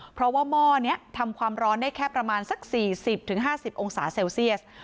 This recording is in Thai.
เพราะว่าหม้อนี้ทำความร้อนได้แค่ประมาณสัก๔๐๕๐องศาเซลเซียส